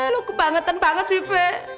lo kebangetan banget sih pe